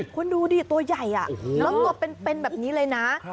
คุณดูดิตัวใหญ่แล้วตัวเป็นแบบนี้เลยนะ